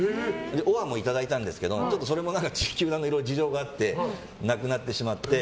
オファーもいただいたんですけどそれもいろいろ事情があってなくなってしまって。